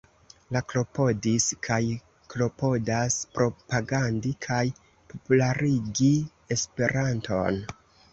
Li klopodis kaj klopodas propagandi kaj popularigi esperanton.